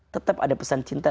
tetap ada pesan cinta